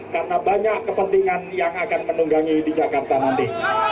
karena banyak kepentingan yang akan menunggangi di jakarta nanti